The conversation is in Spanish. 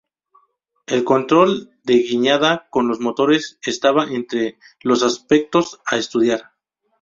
El control de guiñada con los motores estaba entre los aspectos a estudiar.